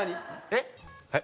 「えっ？」